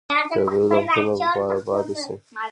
طبیعي لغتونه به پاتې شي.